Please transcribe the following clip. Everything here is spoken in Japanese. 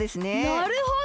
なるほど！